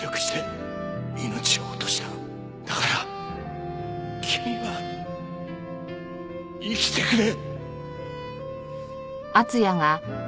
だから君は生きてくれ！